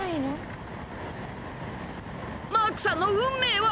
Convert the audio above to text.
［マークさんの運命は？］